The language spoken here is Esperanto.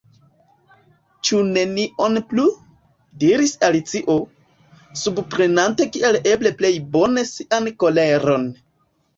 "Ĉu nenion plu?" diris Alicio, subpremante kiel eble plej bone sian koleron.